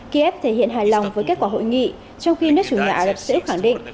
kiev thể hiện hài lòng với kết quả hội nghị trong khi nước chủ nhà ả rập xê út khẳng định